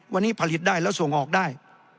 วันนี้ผลิตได้แล้วส่งออกได้